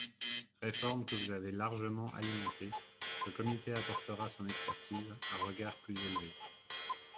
Réformes que vous avez largement alimentées ! Ce comité apportera son expertise, un regard plus élevé.